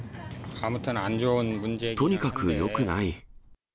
とにかくよくない。